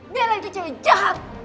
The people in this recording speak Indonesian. bella itu cewek jahat